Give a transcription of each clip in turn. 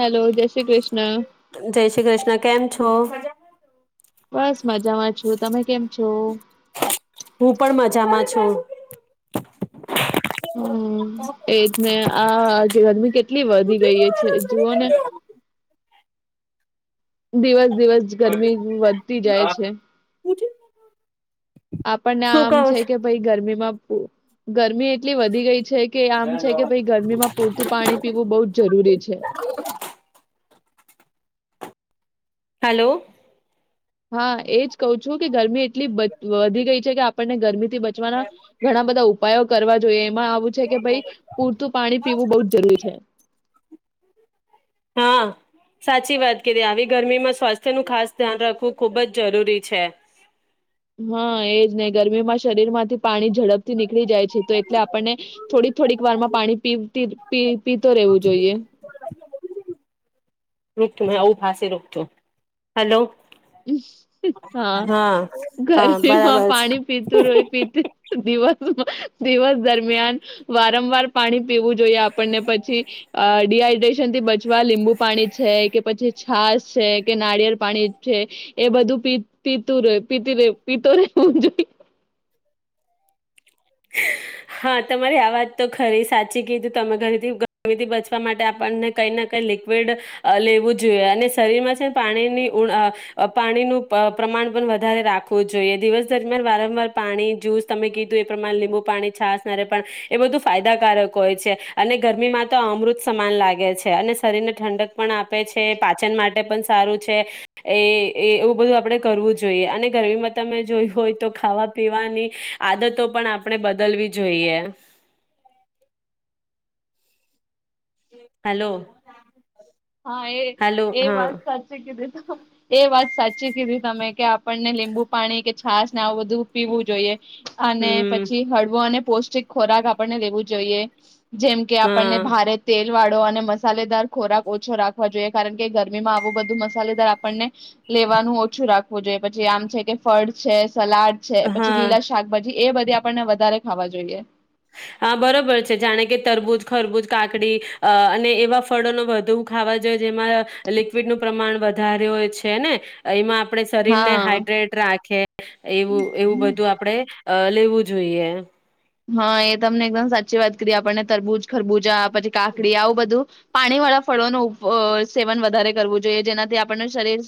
Hello જય શ્રી કૃષ્ણ જય શ્રી કૃષ્ણ કેમ છો? હ [unintelligible] બસ મજામાં છું તમે કેમ છો? છુ. હમ એજ ને આ ગરમી કેટલી વધી ગઈ છે જુઓ ને. દિવસ દિવસ ગરમી વધતી જાય છે. આપણને શું આમ કહો છે છો? કે ભાઈ ગરમીમાં ગરમી એક એટલી વધી ગઈ છે કે આમ છે કે ભઈ ગરમીમાં પૂરતું પાણી પીવું બહુ જ જરૂરી છે. હેલો. હા, એજ કહું છું કે ગરમી એટલી બ વધી ગઈ છે કે આપણને ગરમી થી બચવાના ઘણા બધા ઉપાયો કરવા જોઈએ એમાં આવું છે કે ભઈ પૂરતું પાણી પીવું બહુ જ જરૂરી છે. હા સાચી વાત કીધી આવી ગરમીમાં સ્વાસ્થ્યનું ખાસ ધ્યાન રાખવું ખુબ જ જરૂરી છે. હા, એજ નહ ગરમી માં શરીર માંથી પાણી ઝડપ થી નીકળી જાય છે. તો એટલે આપણને થોડી-થોડીક વાર માં પાણી પી તી પી પીતો રહેવું જોઈએ. [unintelligible] આવું પાસે રોકતો, હલો! હા, હા ગરમીમાં બરાબર છે. પાણી પીતું રયુ પીતું દિવસ માં દિવસ દરમિયાન વારંવાર પાણી પીવું જોઈએ આપણને પછી અહ ડીહાઈડ્રેશન શન થી બચવા લીંબુ પાણી છે, કે પછી છાસ છે, કે નારિયેળ પાણી છે. એ બધું પી-પીતું રયુ પીતી રઈ પીતો રહેવું જ હા, તમારી આ વાત તો ખરી સાચી કીધું. તમે ગર્મ ગર્મીથી બચવા માટે આપણને કંઈ ના કઈ લિક્વિડ અહ લેવું જોઈએ અને શરીરમાં છેને પાણીની ઊણ અહ પાણીનું પ્રમાણ પણ વધારે રાખવું જોઈએ. દિવસ દરમિયાન વારંવાર પાણી જ્યુસ તમે કીધું એ પ્રમાણ લીંબુ પાણી છાસ નારે પણ એ બધું ફાયદાકારક હોય છે. અને ગરમીમાં તો અમૃત સમાન લાગે છે. અને શરીરને ઠંડક પણ આપે છે, પાચન માટે પણ સારું છે, એ એ એવું બધું આપણે કરવું જોઈએ અને ગરમીમાં તમે જોયું હોય તો ખાવા પીવાની આદતો પણ આપણે બદલવી જોઈએ. હલો. હા એ એ વાત સાચી કીધી. એ વાત સાચી કીધી તમે કે આપ આપણને લીંબુ પાણી કે છાસ ને આવું બધું પીવું જોઈએ. અને હમ પછી હળવો અને પૌષ્ટિક ખોરાક આપણને લેવું જોઈએ. જેમ કે આપણને હા ભારે તેલ વાળો અને મસાલેદાર ખોરાક ઓછો રાખવા જોઈએ કારણ કે ગરમીમાં આવું બધું મસાલેદાર આપણને લેવાનું ઓછું રાખવું જોઈએ પછી આમ છે કે ફળ છે. સલાડ છે પછી હા લીલા શાકભાજી એ બધી આપણને વધારે ખાવા જોઈએ. હા, બરોબર છે. જાણે કે તરબૂજ, ખરબૂજ, કાકડી અહ અને એવા ફળો નો વધુ ખાવા જો જેમાં લિકવિડનું પ્રમાણ વધ ધારે હોય છે ને. એમાં આપણે શરીર ને હા હાઈડ્રેટ રાખે એવું એવું બધું આપડે અ લેવું જોઈએ. હા એ તમને એકદમ સાચી વાત કરી આપણને તરબૂજ, ખરબૂજા પછી કાકડી આવું બધું પાણી વાળા ફળોનું સેવન વધારે કરવું જોઈએ જેનાથી આપણને શરીર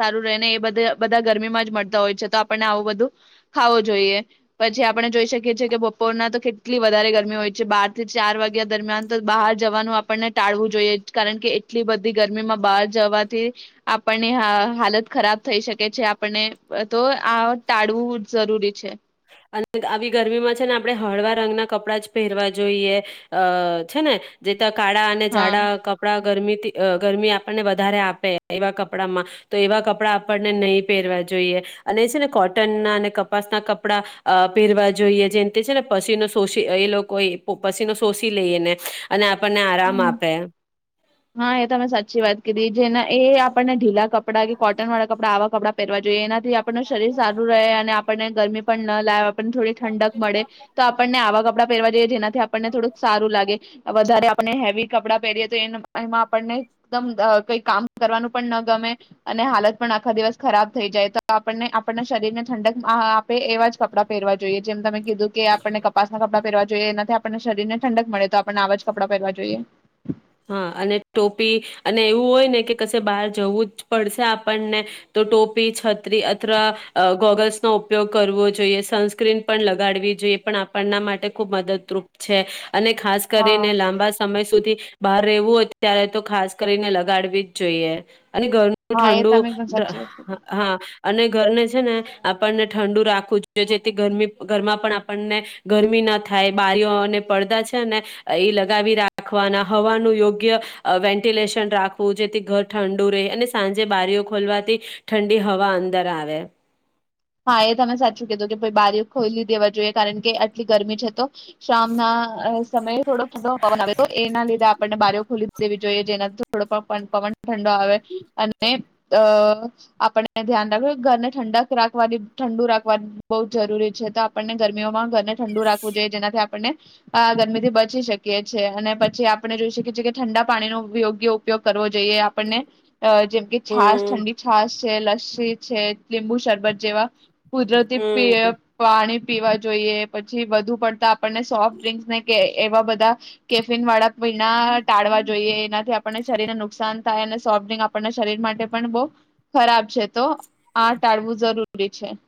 સારું રહે ને એ બધ બધા ગરમીમાં જ મળતા હોય છે તો આપણને આવું બધું ખાવું જોઈએ, પછી આપણે જોઈ શકીએ છીએ કે બપોરના તો કેટલી વધારે ગરમી હોય છે બાર થી ચાર વાગ્યા દરમિયાન તો બહાર જવાનું આપણને ટાળવું જોઈએ. કારણ કે એટલી બધી ગરમીમાં બહાર જવાથી આપણને હાલત ખરાબ થઈ શકે છે, આપણને તો આ ટાળવું જરૂરી છે. અને આવી ગરમીમાં છે ને આપણે હળવા રંગના કપડાં જ પહેરવા જોઈએ અ છે ને જે કાળા અને હા ઝાડા કપડા ગમીથી અ ગરમી આપણને વધારે આપે એવા કપડામાં તો એવા કપડા આપણને નહીં પહેરવા જોઈએ અને એ છે ને કોટન ના અને કપાસના ક આપડા અ પહેરવા જોઈએ જેમ તે છે ને પછીનો શોષી એ લોકો એ પછીનો શોષી લઈએ ને અને આ આપણને આરામ હમ આપે હા એ તો તમે સાચી વાત કીધી જેના એ આપણને ઢીલા કપડા કે કોટન વાળા કપડા આવા કપડા જોઇએ એનાથી આપણ શરીર સારું રહે અને આપણને ગરમી પણ ના લા આપણને થોડી ઠંડક મળે તો આપણને આવા કપડાં પહેરવા જઈએ જેનાથી આપણને થોડુંક સારું લાગે. વધારે આપણે હેવી કપડાં પહેરીએ તો એન એમાં આપણને એકદમ અ કઈ કામ કરવાનું પણ ન ગમે અને હાલત પણ આખા દિવસ ખરાબ થઈ જાય તો આપણને આપણના શરીર ને ઠંડક આ આપે એવા જ કપડાં પહેરવા જોઈએ. જેમ તમે કીધું કે આપણને કપાસના કપડા પેરવા જોઈએ એનાથી આપણને શરીર ને ઠંડક મળે તો આપને આવા જ કપડાં પહેરવા જોઈએ. હા અને ટોપી અને એવું હોય ને કે કશે બહાર જવું જ પડશે આપણને તો ટોપી છત્રી અથરા ગોગલ્સનો ઉપયોગ કરવો જોઈએ સનસ્ક્રીન પણ લગાડવી જોઈએ પણ આપણના માટે ખુબ મદદરૂપ છે. અને ખાસ હા. કરીને લાંબા સમય સુધી બહાર રહેવું હોય ત્યારે તો ખાસ કરીને લગાડવી જ જોઈએ. અને ગરમનું ડ હા એ તમે એકદમ સાચી વાત કરી. ઠંડુ હા અને ઘરને છે ને આપણને ઠંડુ રાખું જો જેથી ગરમી ઘરમાં પણ આપણને ગરમી ના થાય બારીઓ અને પડદા છે ને એ લગાવી રાખવાના હવાનું યોગ્ય વેન્ટિલેશન રાખવું જેથી ઘર ઠંડુ રહે અને સાંજે બારીઓ ખોલવાથી ઠંડી હવા અંદર આવે. હા એ તમે સાચું કીધું કે બારી ખોઈલી દેવા જોઈએ કારણ કે આટલી ગરમી છે તો શામના અ સમય થોડોક પવન આવે તો એના લીધે આપણને બારીઓ ખોલી દેવી જોઈએ જેના થોડો પણ પવન ઠંડો આવે અને અ આપણે ધ્યાન રાખવુ ઘરને ઠંડક રાખ રાખવાની ઠંડુ રાખવાની બહુ જરૂરી છે તો આપણને ગરમીઓમાં ઘરને ઠંડુ રાખવું જોઈએ જેનાથી આપણને ગરમીથી બચી શકીએ છીએ. અને પછી આપણે જોઈ શકીએ છીએ કે ઠંડા પાણીનો યોગ્ય ઉપયોગ કરવો જોઈએ આપણને અ જેમ કે છાસ હમ ઠંડી છાસ છે લસ્સી છે લીંબુ શરબત જેવા કુદરતી હમ પીઅ પાણી પીવા જોઈએ પછી વધુ પડતા આપણને સોફ્ટ ડ્રિંક ને એવા બધા કેફિન વાળા પીણા ટાળવા જોઈએ. એનાથી આપણને શરીરને નુકસાન થાય અને સોફ્ટ ડ્રિંક આપણને શરીર માટે પણ બો ખરાબ છે તો આ ટાળવું જરૂરી રુરી છે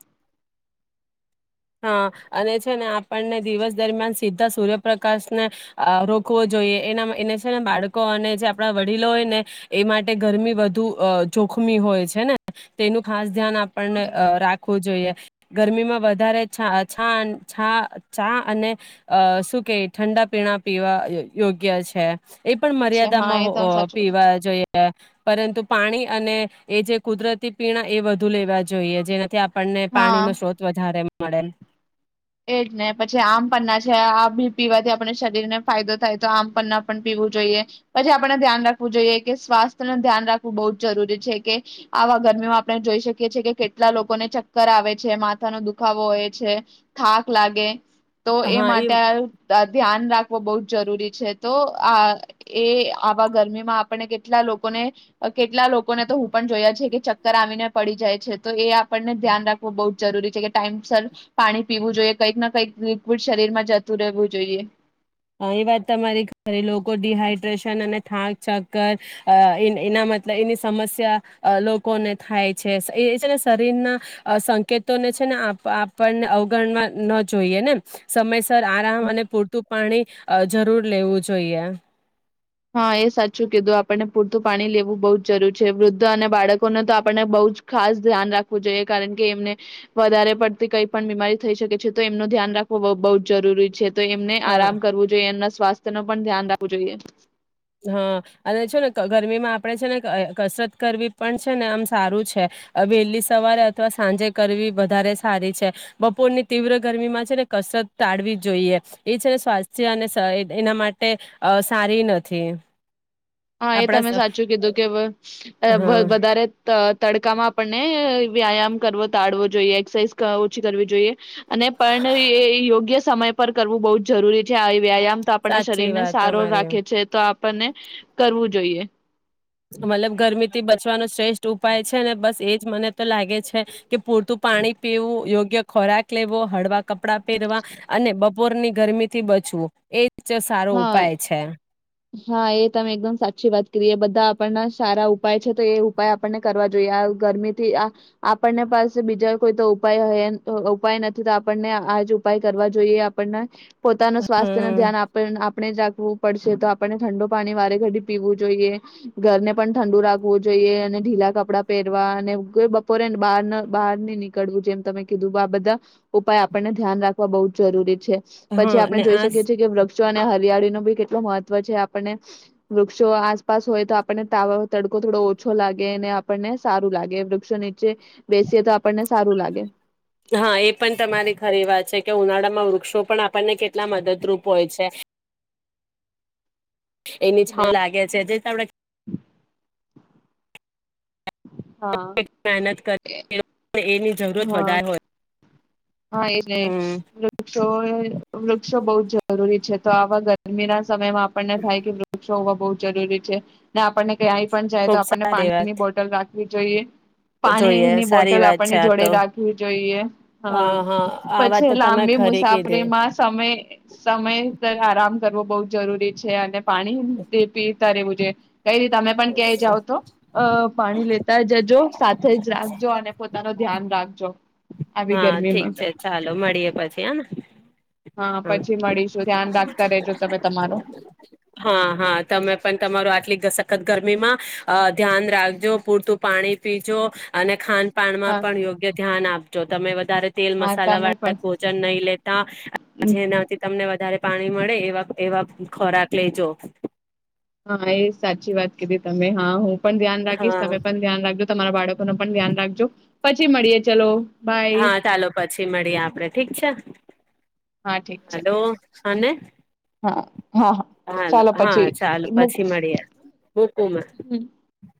હા અને છે ને આપણને દિવસ દરમિયાન સીધા સૂર્યપ્રકાશને અ રોકવો જોઈએ એના એને છે ને બાળકો અને જે આપણા વડીલો હોય ને એ માટે ગરમી વધુ જોખમી હોય છે ને તે એનું ખાસ ધ્યાન આપ આપણને રાખવું જોઈએ. ગરમીમાં વધારે છા છા છા ચા અને અ શું કે ઠંડા પીણા પીવા યોગ્ય છે. એ પણ છે હા મર્યાદામાં એ ઓ તમે સાચું કીધું પીવા જોઈએ પરંતુ પાણી અને એ જે કુદરતી પીણા એ વધુ લેવા જોઈએ જેનાથી પણને પાણી હા. નો સ્રોત વધારે મળે. એજ ને પછી આમ પરના છે આ બી પીવાથી આપણે શરીરને ફાયદો થાય તો આમપના પણ પીવું જોઈએ, પછી આપણે ધ્યાન રાખવું જોઈએ કે સ્વાસ્થ્ય ન ધ્યાન રાખવું બહુ જ જરૂરી છે કે આવા ગરમીમાં આપણે જોઈ શકીએ છીએ કે કેટલા લોકોને ચક્કર આવે છે માથાનો દુખાવો હોય છે. થાક લાગે. તો એ માટે દ ધ્યાન રાખ બ બો જ જરૂરી છે તો આ એ આવા ગરમીમાં આપણને કેટલા લોકોને કેટલા લોકોને તો હું પણ જોયા છ કે ચક્કર આવીને પડી જાય છે, તો એ આપણને ધ્યાન રાખવું બહુ જરૂરી છે કે ટાઈમ સર પાણી પીવું જોઈએ કંઈક ના કંઈક લિક્વિડ શરીર માં જતું રહેવું જોઈએ. હ એ વાત તમારી લોકો ડીહાઈડ્રેશન અને થાક ચક્કર અ એના મતલ એની સમસ્યા લોકોને થાય છે એ છે ને શરીરના સંકેતોને છે ને આપણને અવગણવા ન જોઈએ ને સમય સ આરામ અને પૂરતું પાણી અ જરૂર લેવું જોઈએ. હા એ સાચું કીધું આપણને પૂરતું પાણી લેવું બહુ જ જરૂરી છે. વૃદ્ધ અને બાળકોને તો આપણને બઉજ ખાસ ધ્યાન રાખવું જોઈએ કારણ કે એમને વધારે પડતી કઈ પણ બીમારી થઈ શકે છે તો એમનું ધ્યાન રાખવું બહુ જરૂરી છે. તો એમને હા આરામ કરવું જોઈએ એમના સ્વાસ્થ તેનું પણ ધ્યાન રાખવું જોઈએ. હા અને છે ને ગરમીમાં આપણેે છે ને કસરત કરવી પણ છે ને આમ સારું છે. વહેલી સવારે અથવા સાંજે કરવી વધારે સારી છે બપોરની તીવ્ર ગરમીમાં છે ને કસરત ટાળવી જોઈએ એ છે ને સ્વાસ્થ્ય અને એના માટે અ સારી ન થી. હા એ તમે સાચું કીધું કે વ અ બ હા વધારે અ તડકામાં આપણને વ્યાયામ કરવો તાડવો જોઈએ એક્સાઈઝ ઓછી કરવી જોઈએ. અને પણ યે એ યોગ્ય સમય પર કરવું બહુ જ જરૂરી છે આ વ્યાયામ. તો આપણના સાચી શરીર ને વાત સારો તમારી રાખે છે તો આપણને રવુ જોઈએ. મતલબ ગરમી થી બચવાનો શ્રેષ્ઠ ઉપાય છે અનેને બસ એ જ મને તો લાગે છે કે પૂરતું પાણી પીવું યોગ ગ્ય ખોરાક લેવો, હળવા કપડા પહેરવા અને બપોરની ગરમી થી બચવું એ ચ સારો હા ઉપાય છે. હા એ તમે એકદમ સાચી વાત કરીએ બધા આપણના સારા ઉપાય છે તો એ ઉપાય આપણને કરવા જોઈએ, આ ગરમીથી આ આપણને પાસે બીજા કોઈ તો અહે ઉપાય ઉપાય નથી તો આપણને આજ ઉપાય કરવા જોઈએ આપણને. પોતાનું સ્વાસ્થ્ય ન હમ ધ્યાન આપ ન અપ ણે જાગવું પડશે તો આપને ઠંડુ પાણી વારે ઘડી પીવું જોઈએ. ઘરને પણ ઠંડુ રાખવું જોઈએ અને ઢીલા કપડાં પહેરવા અને બપોરેને બહાર બહાર ની નીકળવું જેમ તમે કીધું આ બધા ઉપાય આપણને ધ્યાન રાખવા બહુ જ જરૂરી. છે પછી, હા આપણે ને જોઈ આ શકીએ છીએ કે વ અને હરિયાળી નો બી કેટલો મહત્વ. પછી આપણને વૃક્ષો આસપાસ હોય તો આપણને તા તડકો થોડો ઓછો લાગે અને આપણને સારું લાગે વૃક્ષોને બેસીએ તો આપણને સારું લાગે. હા એ પણ તમારી ખરી વાત છે કે ઉનાળામાં વૃક્ષો પણ આપણને કેટલા મદદરૂપ હોય છે. એની છા લાગે છે જે તમે હા મહેનત કર [unintelligible] એની જરૂરત હા વધારે હોય. હા એને હમ તો એ. વૃક્ષો બહુ જ જરૂરી છે તો આવા ગરમીના. સમયમાં આપણને થાય કે વૃક્ષો બઉ જરૂરી છે ને આપણને ઈ પણ જાય ખુબ તો આપણને પાણી ની બોટલ રાખી જોઈએ. તો જોઈએ સારી વાત છે આપ [unintelligible] રાખવુ જોઈએ, હાં હા આ વાત પછી તો તમે લાંબી ખરી કીધી મુસાફરીમાં સમય સમય [unintelligible] આરામ કરવો બઉ જરૂરી છે અને પાણી તે પી તા રેવુ જે કંઈ ની તમે પણ ક્યાંય જાઓ, તો અ પાણી લેતા જજો. સાથે જ રાખજો અને પોતાનો ધ્યાન રાખજો. હાં ઠીક છે, ચાલો મળીએ પછી હં. હાં પછી મળીશું. ધ્યાન રાખતા રેજો તમે તમારુ. હાં, હાં, તમે પણ તમારું આટલી સખત ગરમીમાં અ ધ્યાન રાખજો, પૂરતું પાણી પીજો અને ખાન પાનમાં હા પણ યોગ્ય ધ્યાન આપજો, તમે વધારે તેલ હા મસાલા તમે વાળા ભોજન નઈ લેતા પણ જેનાથી તમને વધારે પાણી મળે એવા એવા ખોરાક પ્લેજો. હા એ સાચી વાત કીધી તમે, હા, હું. પણ ધ્યાન રાખીશ, હા તમે પણ ધ્યાન રાખજો, તમારા બાળકો નું પણ ધ્યાન રાખજો. પછી મળીએ ચલો. બાય હા ચાલો પછી મળીએ આપણે ઠીક છે. હા ઠીક છે. હાલો અને હા હા હા હાલો ચાલો હા પછી ચાલો મૂક પછી મળીએ મૂકું મેં. હમ